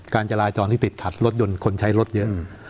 การจราจรที่ติดขัดรถยนต์คนใช้รถเยอะ